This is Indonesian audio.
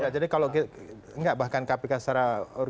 jadi kalau nggak bahkan kpk secara